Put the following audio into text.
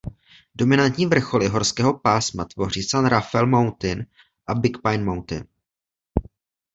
Dominantní vrcholy horského pásma tvoří San Rafael Mountain a Big Pine Mountain.